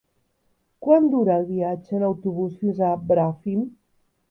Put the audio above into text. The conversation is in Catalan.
Quant dura el viatge en autobús fins a Bràfim?